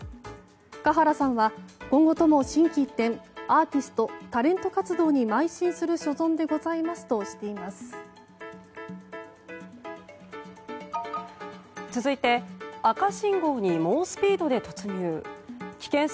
華原さんは今後とも心機一転アーティスト、タレント活動に邁進する所存でございますとしています。